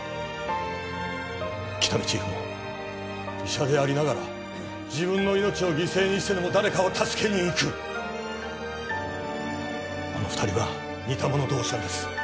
喜多見チーフも医者でありながら自分の命を犠牲にしてでも誰かを助けに行くあの２人は似たもの同士なんです